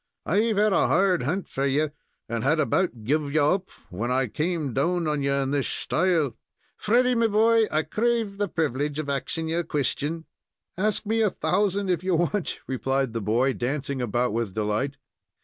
I've had a hard hunt for you, and had about guv you up when I came down on you in this shtyle. Freddy, me boy, I crave the privilege of axing ye a question." "Ask me a thousand, if you want," replied the boy, dancing about with delight.